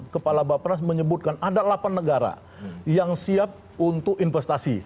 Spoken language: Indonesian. kepala bapenas menyebutkan ada delapan negara yang siap untuk investasi